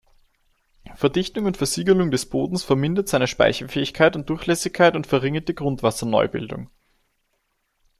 Verdichtung und Versiegelung des Bodens vermindert seine Speicherfähigkeit und Durchlässigkeit und verringert die Grundwasserneubildung.